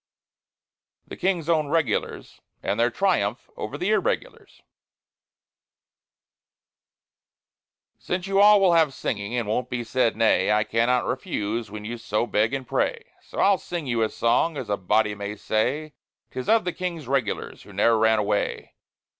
THE KING'S OWN REGULARS AND THEIR TRIUMPH OVER THE IRREGULARS Since you all will have singing, and won't be said nay, I cannot refuse, when you so beg and pray; So I'll sing you a song, as a body may say, 'Tis of the King's Regulars, who ne'er ran away.